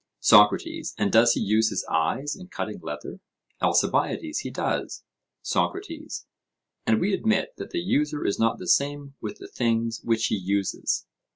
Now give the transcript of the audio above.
SOCRATES: And does he use his eyes in cutting leather? ALCIBIADES: He does. SOCRATES: And we admit that the user is not the same with the things which he uses?